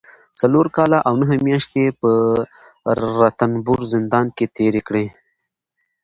څلور کاله او نهه مياشتې په رنتنبور زندان کې تېرې کړي